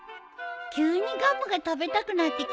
急にガムが食べたくなってきたね。